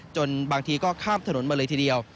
บางทีก็ข้ามถนนมาเลยทีเดียว